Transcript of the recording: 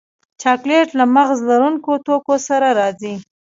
چاکلېټ له مغز لرونکو توکو سره راځي.